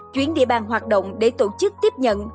chuyến địa bàn hoạt động để tổ chức tiếp nhận